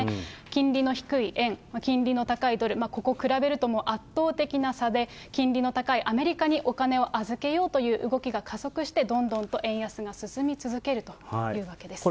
金利の低い円、金利の高いドル、ここ比べるともう圧倒的な差で、金利の高いアメリカにお金を預けようという動きが加速して、どんどんと円安が進み続けるというわけです。